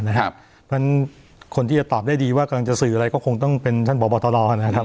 เพราะฉะนั้นคนที่จะตอบได้ดีว่ากำลังจะสื่ออะไรก็คงต้องเป็นท่านพบตรนะครับ